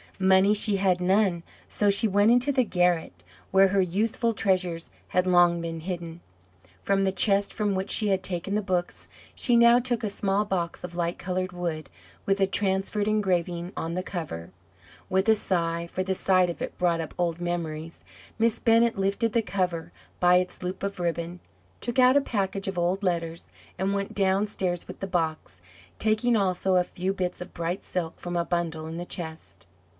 Money she had none, so she went into the garret, where her youthful treasures had long been hidden. From the chest from which she had taken the books she now took a small box of light coloured wood, with a transferred engraving on the cover. With a sigh for the sight of it brought up old memories Miss Bennett lifted the cover by its loop of ribbon, took out a package of old letters, and went downstairs with the box, taking also a few bits of bright silk from a bundle in the chest.